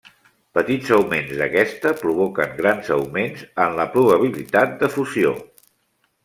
Petits augments d'aquesta provoquen grans augments en la probabilitat de fusió.